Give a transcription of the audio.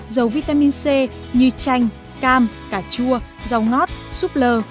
dầu vitamin c như chanh cam cà chua rau ngót súp lơ